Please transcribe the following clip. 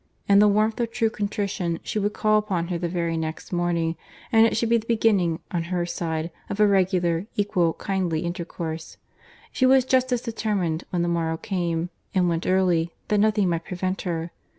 In the warmth of true contrition, she would call upon her the very next morning, and it should be the beginning, on her side, of a regular, equal, kindly intercourse. She was just as determined when the morrow came, and went early, that nothing might prevent her.